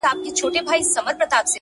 نه په حورو پسي ورک به ماشومان سي!